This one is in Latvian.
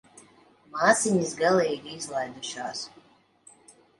Māsiņas galīgi izlaidušās.